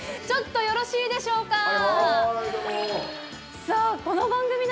ちょっとよろしいでしょうか？